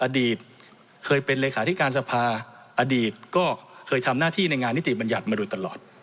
อดีตเคยเป็นเลขาธิการสภาอดีตก็เคยทำหน้าที่ในงานนิติบัญญัติมาโดยตลอด